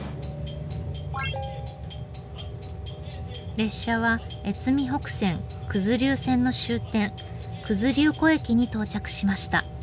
列車は越美北線九頭竜線の終点九頭竜湖駅に到着しました。